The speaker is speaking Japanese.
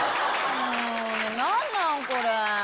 何なん、これ。